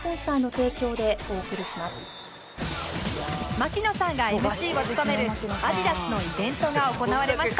槙野さんが ＭＣ を務めるアディダスのイベントが行われました